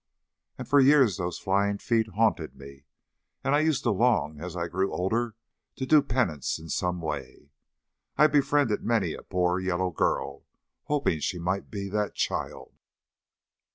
And for years those flying feet haunted me, and I used to long as I grew older to do penance in some way. I befriended many a poor yellow girl, hoping she might be that child.